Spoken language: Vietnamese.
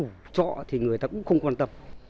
người thuê trọ thì người ta cũng không quan tâm